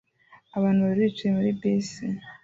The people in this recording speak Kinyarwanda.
Abantu babiri bicaye muri bisi